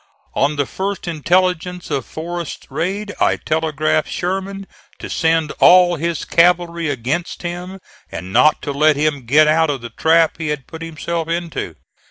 On the first intelligence of Forrest's raid I telegraphed Sherman to send all his cavalry against him, and not to let him get out of the trap he had put himself into.